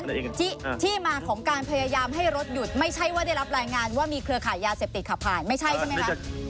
ที่ที่มาของการพยายามให้รถหยุดไม่ใช่ว่าได้รับรายงานว่ามีเครือขายยาเสพติดขับผ่านไม่ใช่ใช่ไหมคะ